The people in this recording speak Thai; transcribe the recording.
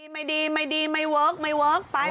ไม่ดีไม่ดีไม่เวิร์คไป